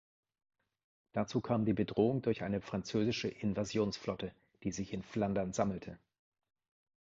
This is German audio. Dazu kam die Bedrohung durch eine französische Invasionsflotte, die sich in Flandern sammelte.